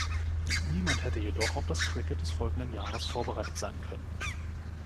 Niemand hätte jedoch auf das Cricket des folgenden Jahres vorbereitet sein können.